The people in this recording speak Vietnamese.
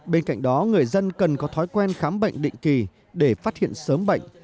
bên cạnh đó người dân cần có thói quen khám bệnh định kỳ để phát hiện sớm bệnh